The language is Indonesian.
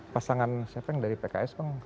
pasangan siapa yang dari pks bang